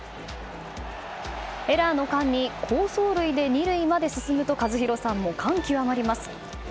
エラーの間に好走塁で２塁まで進むと和博さんも感極まります。